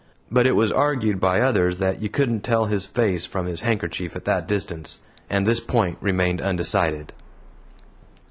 But it was argued by others that you couldn't tell his face from his handkerchief at that distance; and this point remained undecided.